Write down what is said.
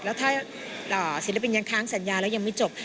แล้วถ้าศิลปินยังค้างสัญญาแล้วยังไม่จบ